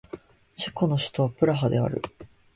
チェコの首都はプラハである